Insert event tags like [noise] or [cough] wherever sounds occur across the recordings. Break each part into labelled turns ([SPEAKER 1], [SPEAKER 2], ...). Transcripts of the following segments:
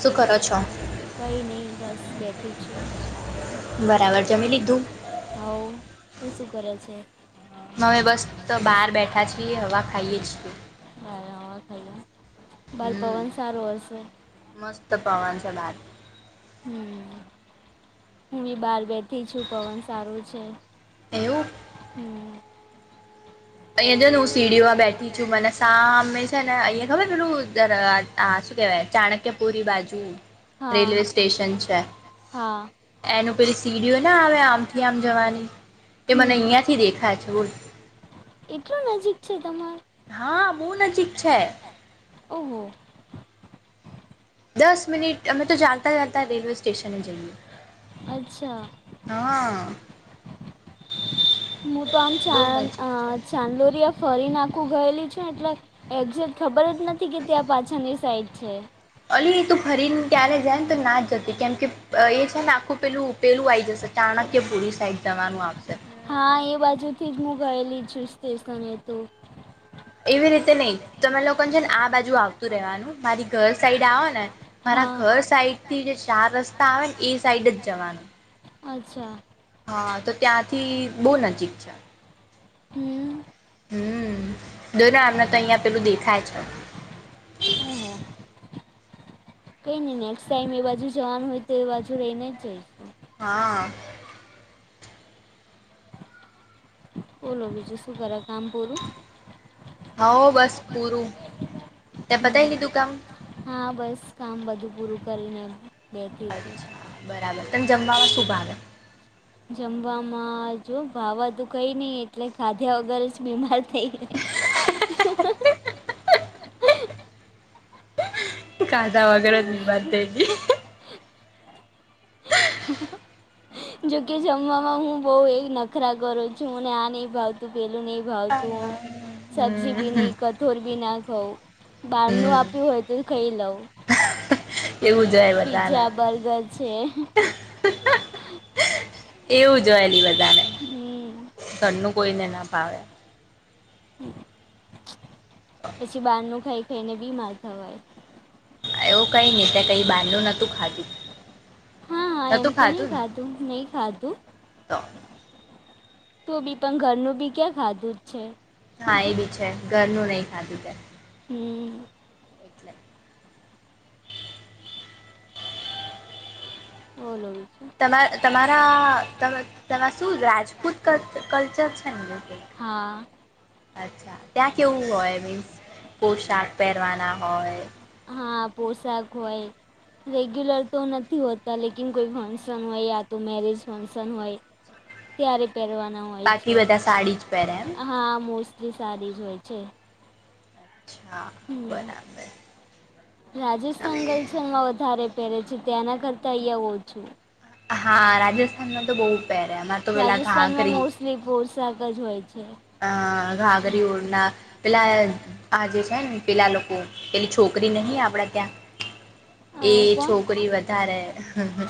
[SPEAKER 1] શું કરો છો
[SPEAKER 2] કઈ ની બસ બેઠી છુ.
[SPEAKER 1] બરાબર જમી લીધું
[SPEAKER 2] હવ તું શું કરે છે?
[SPEAKER 1] હવે બસ તો બહાર બેઠા છીએ હવા ખાઈએ જીએ
[SPEAKER 2] બાાર
[SPEAKER 1] હમ
[SPEAKER 2] પવન સારું હશે?
[SPEAKER 1] મસ્ત પવાન છે, બાર
[SPEAKER 2] હમ ની બાર બે ઠી છુ પવન સારો છે,
[SPEAKER 1] એવું
[SPEAKER 2] હમ
[SPEAKER 1] અહીંયા જો ને હું સીડીઓમાં બેઠી છું મને સામે છેને અહી ખબર પેલું દર આ શું કેહેવાય ચાણક્યપુરી બાજુ
[SPEAKER 2] હા
[SPEAKER 1] રેલવે સ્ટેશન છે.
[SPEAKER 2] હા
[SPEAKER 1] એનું પેલી સીડીઓ ના આવે આમથી આમ જવાની એ મને
[SPEAKER 2] હમ
[SPEAKER 1] અહિયાં થી દેખાય છે, બોલ
[SPEAKER 2] એટલું નજીક છે, તમા
[SPEAKER 1] હા બો નજીક છે.
[SPEAKER 2] ઓહો.
[SPEAKER 1] દસ મિનિટ અમે તો ચાલતા જતા રેલવે સ્ટેશન જઈએ
[SPEAKER 2] અચ્છા.
[SPEAKER 1] હા.
[SPEAKER 2] મુ તો આમ
[SPEAKER 1] બહુ
[SPEAKER 2] ચા અ
[SPEAKER 1] નજીક છે
[SPEAKER 2] ચાંલોરિયા ફરીને આખુ ગયેલી છે, એટલે એક્ઝેક ખબર જ નથી કેતી આ પાછળની સાઈડ છે.
[SPEAKER 1] અલી તું ફરીને ત્યારે જાય ને તો ના જતી કેમ કે એ છે, ને આખું પેલું પેલું આઈ જશે, ચાણક્યપુરી સાઈડ જવાનું આપશે.
[SPEAKER 2] હા એ બાજુ થી જ મુ ગયેલી છું સ્ટેશને તો.
[SPEAKER 1] એવી રીતે નઈ તમે લોકોન છે ને આ બાજુ આવતું રેહવાનું, મારી ઘર સાઈડ આવો ને મારા
[SPEAKER 2] હા
[SPEAKER 1] ઘર સાઈડ થી જે ચાર રસ્તા આવે ને એ સાઈડ જ જવાનું.
[SPEAKER 2] અચ્છા.
[SPEAKER 1] હા તો ત્યાંથી બો નજીક છે.
[SPEAKER 2] હમ.
[SPEAKER 1] હમ દો ને હમનેં તો અહિયાં પેલું દેખાય છે.
[SPEAKER 2] હે હે કઈ ની ને નેક્સ્ટ ટાઈમ એ બાજુ જવાનું હોય તો એ બાજુ રહીને જઈશ
[SPEAKER 1] હા.
[SPEAKER 2] બોલો બીજું શું કરે, કામ પૂરું?
[SPEAKER 1] હવ, બસ પૂરું. તે પતાવી
[SPEAKER 2] હમ્મ,
[SPEAKER 1] લીધું કામ
[SPEAKER 2] હા બસ કામ બધું પૂરું કરીને. બેઠી હતી
[SPEAKER 1] અચ્છા, બરાબર. તને જમવામાં શું ભાવે?
[SPEAKER 2] જમવામાં જો ભાવાધુ કઈ ની એટલે ખાધ્યા વગર જ બીમાર થઈ ગઈ.
[SPEAKER 1] [unintelligible] ખાધા વગર જ બીમાર થઈ ગી.
[SPEAKER 2] જોકે જમવામાં હું બોવ એ નખરા કરું છું, મને આ નઈ ભાવતું, પેલું નહી ભાવતું. સબજી
[SPEAKER 1] હમ
[SPEAKER 2] બી નહી, કઠોર બી ના ખઉં. બારનું
[SPEAKER 1] હમ
[SPEAKER 2] આપ્યું હોય તું ખઈ લઉં.
[SPEAKER 1] એવું જોય બધાને
[SPEAKER 2] પીઝા, બર્ગર છે.
[SPEAKER 1] એવું હોય લિ બધાને.
[SPEAKER 2] હમ્મ.
[SPEAKER 1] ઘરનું કોઈ ને ના ભાવે.
[SPEAKER 2] હમ્મ. પછી બાર નું ખાઈ ખાઈને બીમાર થવાય.
[SPEAKER 1] એવું કઈ ની, તે કઈ બાર નું નતું ખાધું.
[SPEAKER 2] હ એમ
[SPEAKER 1] નતું
[SPEAKER 2] તો ની
[SPEAKER 1] ખાધું ને
[SPEAKER 2] ખાધુ, નહી ખાધુ.
[SPEAKER 1] તો
[SPEAKER 2] તું બી પણ ઘરનું બી ક્યાં ખાધું જ છે.
[SPEAKER 1] હા એ બી છે, ઘરનું નહી ખાધું તે.
[SPEAKER 2] હમ્મ.
[SPEAKER 1] એટલે
[SPEAKER 2] બોલો બી
[SPEAKER 1] તમારા તમારા, તમા તમાર શું રાજપૂત કલ કલ્ચર છે ને કઈ?
[SPEAKER 2] હા.
[SPEAKER 1] અચ્છા. ત્યાં કેવું હોય મીન્સ પોશાક પેરવાના હોય?
[SPEAKER 2] હા, પોશાક હોય. રેગ્યુલર તો નથી હોતા લેકીન કોઈ ફંક્શન હોય યા તો મેરેજ ફંક્શન હોય ત્યારે પેરવાના હોય
[SPEAKER 1] બાકી
[SPEAKER 2] છે.
[SPEAKER 1] બધા સાડી જ પહેરે એમ
[SPEAKER 2] હા મોસ લી સારી જ હોય છે.
[SPEAKER 1] અચ્છા.
[SPEAKER 2] હમ્મ,
[SPEAKER 1] બરાબર
[SPEAKER 2] રાજસ્થાન ગર્લ છે એમાં વધારે પેરે છે ત્યાંના કરતા અઈયા ઓછું.
[SPEAKER 1] હા રાજસ્થાનમાં તો બઉ પેહરે એમાં તો પેલા
[SPEAKER 2] રાજસ્થાનમાં
[SPEAKER 1] ઘાઘરી
[SPEAKER 2] [unintelligible] પોશાક જ હોય છે.
[SPEAKER 1] અ ઘાાગરી ઉડના પેલા આ જે છે ને પેલા લોકો, પેલી છોકરી નહી આપડે ત્યાં?
[SPEAKER 2] અ
[SPEAKER 1] એ
[SPEAKER 2] કોણ
[SPEAKER 1] છોકરી વધારે હ હ,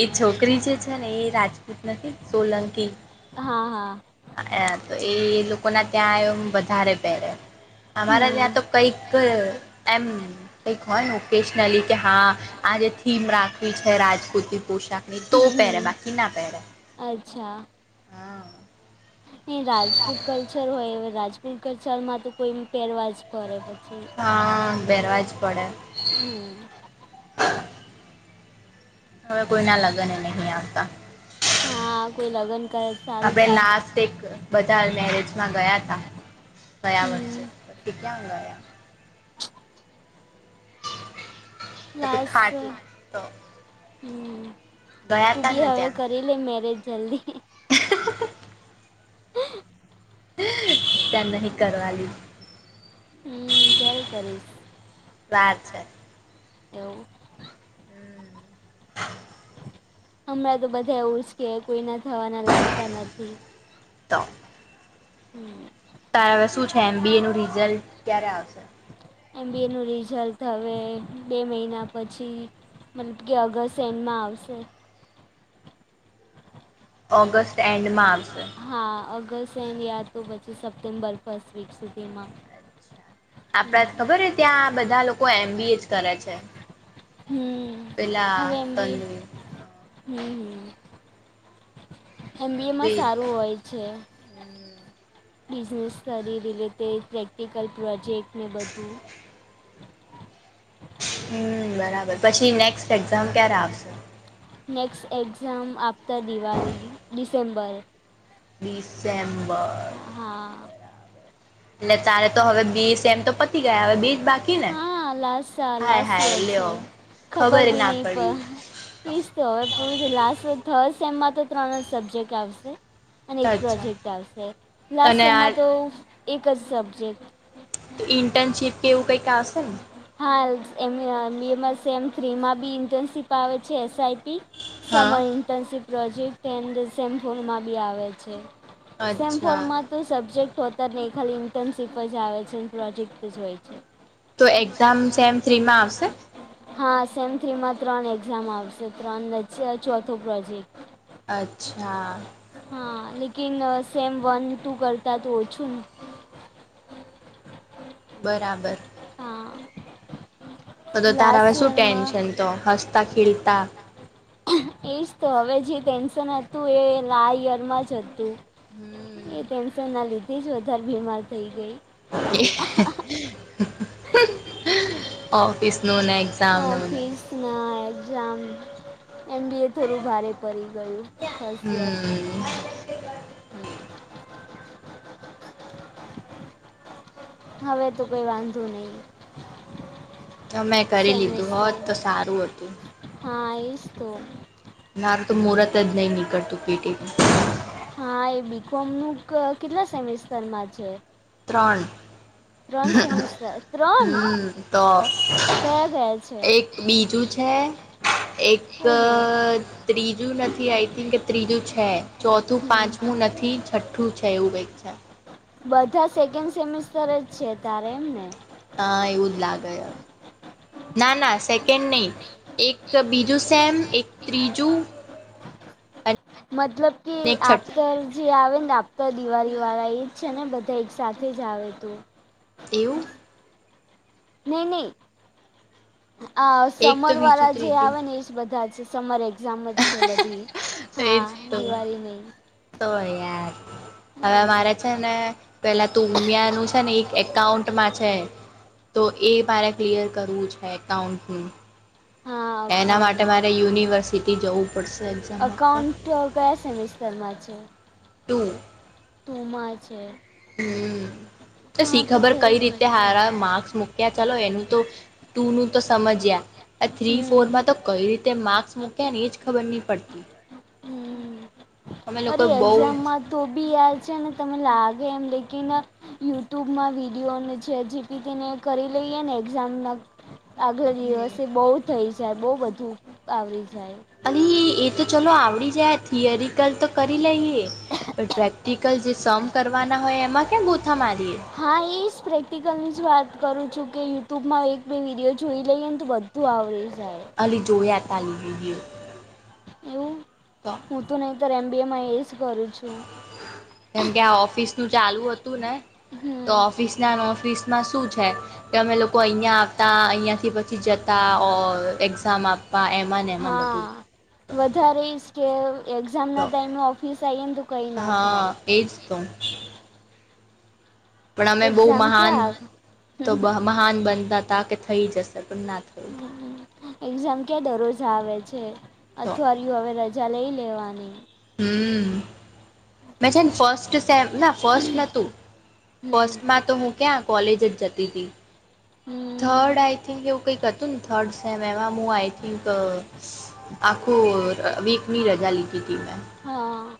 [SPEAKER 1] એ છોકરી જે છે ને એ રાજપૂત નથી સોલંકી?
[SPEAKER 2] હા હા.
[SPEAKER 1] તો એ લોકો ના ત્યાંમ વધારે પહેરે અમારા ત્યાં
[SPEAKER 2] હમ
[SPEAKER 1] તો, કૈક એમ કઈક હોય ને ઓકેશનલી કે હા આ જે થીમ રાખવી છે રાજપૂતિ પોશાક નહી તો
[SPEAKER 2] હમ
[SPEAKER 1] પહેરે
[SPEAKER 2] હમ
[SPEAKER 1] બાકી ના પહેરે.
[SPEAKER 2] અચ્છા
[SPEAKER 1] હા
[SPEAKER 2] ઈ રાજપૂત કલ્ચર હોય હવે રાજપૂટ કલ્ચર માં તો કોઈ પેરવા જ પરે પછી.
[SPEAKER 1] હ પેરવાજ પડે.
[SPEAKER 2] હમ
[SPEAKER 1] હવે કોઈના લગન એ નહી આવતા.
[SPEAKER 2] હા કોઈ લગ્ન કરે સારું
[SPEAKER 1] આપે
[SPEAKER 2] છે
[SPEAKER 1] લાસ તેક બધા મેરેજમાં ગયા તા, ગયા વર્ષે
[SPEAKER 2] હમ
[SPEAKER 1] તે ક્યાં ગયા? પછી
[SPEAKER 2] લાસ,
[SPEAKER 1] ખાટ તો
[SPEAKER 2] હમ્મ
[SPEAKER 1] ગયા
[SPEAKER 2] તું
[SPEAKER 1] તા
[SPEAKER 2] બી
[SPEAKER 1] ને
[SPEAKER 2] હવે
[SPEAKER 1] ત્યાં
[SPEAKER 2] ઘર કરી લે મેરેજ જલ્દી. [unintelligible]
[SPEAKER 1] તન નહીં કરવાલી.
[SPEAKER 2] હમ કેવી કરીશ
[SPEAKER 1] વાર છે
[SPEAKER 2] એવું, હમણાં તો બધા એવું જ કે કોઈના થવાના લાગતા નથી.
[SPEAKER 1] [unintelligible]
[SPEAKER 2] હમ [inaudible]
[SPEAKER 1] તારે હવે શું છે? એમ બી એ નું રિઝલ્ટ ક્યારે આવશે?
[SPEAKER 2] એમ બી એનું રિઝલ્ટ હવે બે મહિના પછી મતલબ કે અગર એનમાં આવશે
[SPEAKER 1] ઓગસ્ટ એન્ડ મા આવશે
[SPEAKER 2] હા અગસ્ટ એન યાદ તો પછી સપ્ટેમ્બર ફસ્ટ વીક સુધીમાં
[SPEAKER 1] આપડા ખબર
[SPEAKER 2] હમ
[SPEAKER 1] હ ત્યાં બધા લોકો એમબી એ જ કરે છે
[SPEAKER 2] હમ
[SPEAKER 1] પલા
[SPEAKER 2] હવે એમ
[SPEAKER 1] તમ
[SPEAKER 2] બી હમ હ એમ બી એમાં સારું હોય છે.
[SPEAKER 1] હમ.
[SPEAKER 2] બિઝનેસ સ્રી રિલેટેડ પ્રેક્ટિકલ પ્રોજેક્ટને બધું
[SPEAKER 1] હમ બરાબર પછી નેક્સ્ટ એક્ઝામ ક્યારે આવશે?
[SPEAKER 2] Next exam after Diwali December
[SPEAKER 1] December
[SPEAKER 2] હા
[SPEAKER 1] એટલે તારે તો હવે બીસ એમ તો પતી ગયા હવે બીજ બાકી ને?
[SPEAKER 2] આલાાસ
[SPEAKER 1] હાય
[SPEAKER 2] આલાાસ
[SPEAKER 1] હાય
[SPEAKER 2] અ છે
[SPEAKER 1] લ્યો
[SPEAKER 2] ખબર બી
[SPEAKER 1] ના
[SPEAKER 2] નહીં પ
[SPEAKER 1] પડી
[SPEAKER 2] ફીસ તો હવે પૂરી લાસ્ટ થર્ડ સેમમાં તો ત્રણ જ સબ્જેક્ટ આવશે. અને એક
[SPEAKER 1] અચ્છા
[SPEAKER 2] પ્રોજેક્ટ આવશે લાસ્ટ
[SPEAKER 1] તને આ
[SPEAKER 2] સેમમાં તો એક જ સબ્જેક્ટ.
[SPEAKER 1] તો ઇન્ટર્નશીપ કે એવું કંઈક આવશે ને?
[SPEAKER 2] હા એ બીમસ એમ થ્રીમાં બી ઇન્ટર્નશીપ આવે છે એસઆઈપી
[SPEAKER 1] હા
[SPEAKER 2] સમય ઇન્ટર્નશીપ પ્રોજેક્ટ ડ સેમ્પુર માં બી આવે છે સેમ્
[SPEAKER 1] અચ્છા
[SPEAKER 2] ફરમાં તો સબ્જેક્ટ હોત ને એ ખાલી ઇન્ટર્નશીપ જ આવે છે અને પ્રોજેક્ટ જ હોય છે
[SPEAKER 1] તો એક્ઝામ સેમ થ્રીમાં આવશે?
[SPEAKER 2] હા સેમ થ્રીમાં ત્રણ એક્ઝામ આવશે ત્રણ વચ્ચે ચોથો પ્રોજેક્ટ.
[SPEAKER 1] અચ્છા
[SPEAKER 2] હા લેકિન સેમ વન ટુ કરતા તો ઓછું ને
[SPEAKER 1] બરાબર
[SPEAKER 2] હા
[SPEAKER 1] તો તારા હવે
[SPEAKER 2] લાસ્ટ
[SPEAKER 1] શું
[SPEAKER 2] યરમાં
[SPEAKER 1] ટેન્શન તો હસતા ખીલતા,
[SPEAKER 2] એશ તો હવે જે ટેન્શન હતું એ લા યયરમાં જ હતું એ
[SPEAKER 1] હમ
[SPEAKER 2] ટેન્શન ના લીધે જ વધારે બીમાર થઈ ગઈ.
[SPEAKER 1] ઓફિસ નો ના
[SPEAKER 2] ઓફિસ ના એક્ઝામ એમ બી એ થોડું ભારે પડી ગયું ફસ્ટ યર.
[SPEAKER 1] હમ
[SPEAKER 2] હવે તો કોઈ વાંધો નહી
[SPEAKER 1] તો મેં કરી લીધું હોત તો સારું હતું
[SPEAKER 2] હા એજ તો
[SPEAKER 1] મારું તો મુહરત જ નહી નીકળતું પીટ
[SPEAKER 2] હા એ બીકોમ નું કેટલા સેમેિસ્ટરમાં છે?
[SPEAKER 1] ત્રણ
[SPEAKER 2] ત્રણ સેમિસ્ટર ત્રણ
[SPEAKER 1] હમ તો
[SPEAKER 2] કયા કયા છે?
[SPEAKER 1] એક બીજું છે એક,
[SPEAKER 2] ઓહો
[SPEAKER 1] ત્રીજું નથી આઈ થિંક કે ત્રીજું છે ચોથું
[SPEAKER 2] હમ
[SPEAKER 1] પાંચમું નથી છઠ્ઠું છે. એવુ કંઈક ચ્છા
[SPEAKER 2] બધા સેકન્ડ સેમેિસ્ટર જ છે તારે એમ ને?
[SPEAKER 1] તા એવું જ લાગે ના ના સેકન્ડ નહીં એક બીજું સેમ એક ત્રીજું [unintelligible]
[SPEAKER 2] મતલબ કે
[SPEAKER 1] એક છઠ્ઠું
[SPEAKER 2] આપસર જે આવે ને આપતા દિવાળીવાળા એ જ છે ને બધા એક સાથે જ આવે તું
[SPEAKER 1] એવું
[SPEAKER 2] નઈ નઈ આ
[SPEAKER 1] એક તો
[SPEAKER 2] સમર
[SPEAKER 1] બીજું
[SPEAKER 2] વાળા જે
[SPEAKER 1] ત્રીજું
[SPEAKER 2] આવે ને બધા સમર એક્ઝામ જ છે બધી
[SPEAKER 1] એજ
[SPEAKER 2] હા
[SPEAKER 1] તો
[SPEAKER 2] દિવાળી નહી
[SPEAKER 1] તોય યાર હવે મારે છે ને પેલા તું ઉમિયાનું છે ને એક એકાઉન્ટમાં છે તો એ મારે ક્લિયર કરવું છે એકાઉન્ટનું
[SPEAKER 2] હા
[SPEAKER 1] એના માટે
[SPEAKER 2] અકાઉન્ટ
[SPEAKER 1] મારે યુનિવર્સિટી જવું પડશે એક્ઝામ આપતા
[SPEAKER 2] તો કયા સેમિસ્ટરમાં છે
[SPEAKER 1] ટુ
[SPEAKER 2] તમા છે
[SPEAKER 1] હમ તો
[SPEAKER 2] હા
[SPEAKER 1] શી ખબર
[SPEAKER 2] થઈ
[SPEAKER 1] કઈ રીતે
[SPEAKER 2] જશે
[SPEAKER 1] સારા માર્ક્સ મૂક્યા ચાલો એનું તો ટુનું તો સમજ્યા આ થ્રી
[SPEAKER 2] હમ
[SPEAKER 1] ફોરમાં તો કઈ રીતે માર્ક્સ મૂક્યા ને એજ ખબર નહી પડતી
[SPEAKER 2] હમ
[SPEAKER 1] અમે
[SPEAKER 2] અરે
[SPEAKER 1] લોકો બહુ
[SPEAKER 2] એક્ઝામમાં તો બી આ છે ને તમે લાગે એમ લેકીન યુટ્યુબમાં વિડીયોને જે જે પી તેને કરી લઈએ ને એક્ઝામ આગળ
[SPEAKER 1] હમ
[SPEAKER 2] દિવસે બહુ થઇ જાય બહ બધું આવરી જાય
[SPEAKER 1] અરે એ તો ચલો આવડી જાય થિયરિકલ તો કરી લઈએ પણ પ્રેક્ટિકલ જે સમ કરવાના હોય એમાં કેમ ગોથા મારીએ
[SPEAKER 2] હા એ જ પ્રેક્ટિકલ જ વાત કરું છું કે યુટ્યુબમાં એક બે વિડીયો જોઈ લઈએને તો બધું ત આવવરી જાય
[SPEAKER 1] અલી જો એ તલી હોવીયો
[SPEAKER 2] એવું
[SPEAKER 1] તો
[SPEAKER 2] હું તો નહીંતર એમ બી એમાં એ જ કરું છું
[SPEAKER 1] કેમ કે આ ઓફિસ નું ચાલુ હતું ને તો
[SPEAKER 2] હમ
[SPEAKER 1] ઓફિસ ના ઓફિસ માં શું છે કે અમે લોકો અહીયા આવતા અહી થી પછી જતા એક્ઝામ આપ
[SPEAKER 2] હા વધારેઈશ કે એક્ઝામ ના
[SPEAKER 1] તો
[SPEAKER 2] ટાઈમે ઓફિસ આને
[SPEAKER 1] હા એ જ તો પણ અમે બહુ
[SPEAKER 2] એક્ઝામ
[SPEAKER 1] મહાન
[SPEAKER 2] ક્યાં
[SPEAKER 1] તો મહાન બનતા હતા કે થઈ જશે પણ ના થયુ
[SPEAKER 2] એક્ઝામ ક્યા દરરોજ આવે છે
[SPEAKER 1] તો
[SPEAKER 2] અઠવાડીયે હવે ચલાઈ લેવાની
[SPEAKER 1] હમ હમ મેં છે ને ફસ્ટ સેમ ના ફસ્ટ નહોતું
[SPEAKER 2] હમ
[SPEAKER 1] ફસ્ટમાં તો હું ક્યાં કોલેજ જ જતી હતી
[SPEAKER 2] હમ
[SPEAKER 1] થર્ડ આઈ થિંક એવું કંઈક હતું ને થર્ડ સેમે એમાં હું આઈ થિંક આખું વીકની રજા લીધી હતી મેં
[SPEAKER 2] હા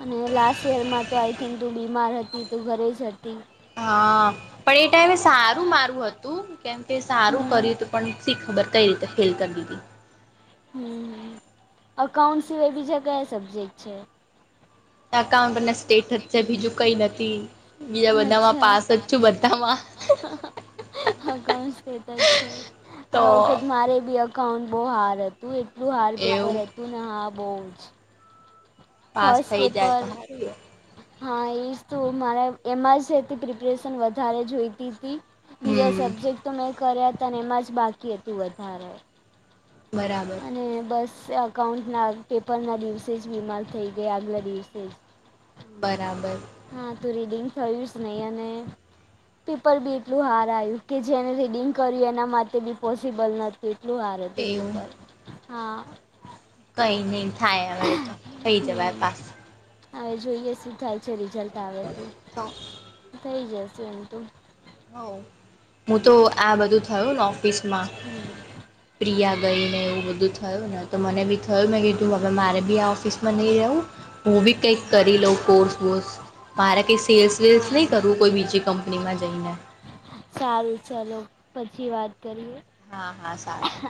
[SPEAKER 2] અને લાસ્ટ યરમાં તો આઈ થિંક તું બીમાર હતી તો ઘરે જ હતી
[SPEAKER 1] હા પણ એ ટાઈમે સારું મારું હતું કેમ કે સારું
[SPEAKER 2] હમ
[SPEAKER 1] કર્યું હતું પણી ખબર કઈ રીતે ફેલ કરી દીધી
[SPEAKER 2] હ અકાઉન્ટ્સ સિવાઈ બીજા ક્યા સબ્જેક્ટ છે
[SPEAKER 1] અકાઉન્ટ ના સ્ટેટસ છે બીજું કઈ નથી બીજા બધામાં
[SPEAKER 2] અચ્છા
[SPEAKER 1] પાસ જ છું બધામાં
[SPEAKER 2] અકાઉંટ છે
[SPEAKER 1] તો
[SPEAKER 2] આ વખત મારે બી અકાઉન્ટ બહુ હાર્ડ હતું એટલું હાર્ડ પેપર
[SPEAKER 1] એવું
[SPEAKER 2] હતું ને હા બહુ જ
[SPEAKER 1] પાસ
[SPEAKER 2] ફર્સ્ટ
[SPEAKER 1] થઈ જાય
[SPEAKER 2] પેપર
[SPEAKER 1] તો સારું એ
[SPEAKER 2] હા એજ તો મારે એમાં જ પ્રિપરેશન વધારે જોઈતી હતી બીજા
[SPEAKER 1] હમ
[SPEAKER 2] સબ્જેક્ટ તો મેં કર્યા હતા અને એમાં જ બાકી હતું વધારે
[SPEAKER 1] બરાબર
[SPEAKER 2] તે બસ અકાઉન્ટના પેપરના દિવસે જ બીમાર થઈ ગયા આગલા દિવસે જ
[SPEAKER 1] બરાબર
[SPEAKER 2] હા તું રીડિંગ થયું જ નહી અને પેપર બી એટલું હાર્ડ આવ્યું કે જેને રીડિંગ કર્યું એના માટે બી પોસિબલ નથી એટલું હાર્ડ હતું
[SPEAKER 1] એવું
[SPEAKER 2] પેપર
[SPEAKER 1] કઈ નહી થાય હવે એ તો થઈ જવાય
[SPEAKER 2] હમ
[SPEAKER 1] પાસ
[SPEAKER 2] હવે જોઈએ શું થાય છે રિઝલ્ટ આવે તો થઈ જશે એમ તો
[SPEAKER 1] હ હું તો આ બધું થયું ને ઓફિસમાં
[SPEAKER 2] હમ
[SPEAKER 1] પ્રિયા ગઈ ને એવું બધું થયું ને તો મને બી થયું મેં કીધું મારે બી ઓફિસ મને એવુ હું બી કંઈક કરી લઉં કોર્સ વોર્સ મારે કંઈ સેલ્સ વેલ્સ
[SPEAKER 2] હા
[SPEAKER 1] નહીં કરવું કોઈ બીજી કંપનીમાં જઈને
[SPEAKER 2] સારું ચલો પછી વાત કરીએ
[SPEAKER 1] હા હા સારું